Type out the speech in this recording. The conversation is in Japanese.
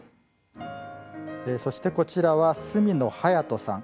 そしてこちらは角野隼斗さん。